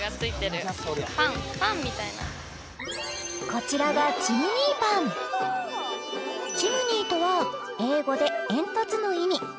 こちらがチムニーパンチムニーとは英語でえんとつの意味